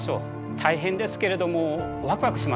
大変ですけれどもワクワクしますよ。